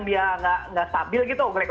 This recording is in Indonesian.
dia nggak stabil gitu